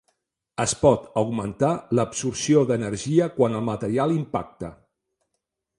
Es pot augmentar l'absorció d'energia quan el material impacta.